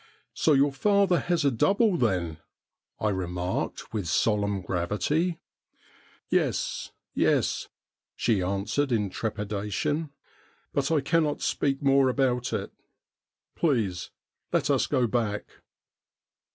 ' So your father has a double, then ?' I remarked with solemn gravity. 'Yes, yes,' she answered in trepidation; 'but I cannot speak more about it. Please let us go back.'